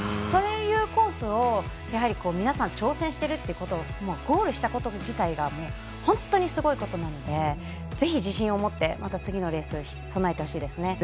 そういうコースを皆さん、挑戦していることゴールしたこと自体が本当にすごいことなのでぜひ、自信を持ってまた次のレースに備えてほしいですね。